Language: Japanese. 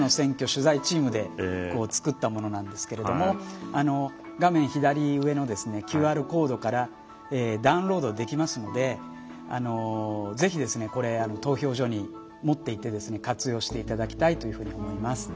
取材チームで作ったものなんですけれども画面左上のＱＲコードからダウンロードできますのでぜひこれ投票所に持っていって活用していただきたいというふうに思います。